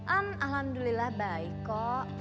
alhamdulillah baik kok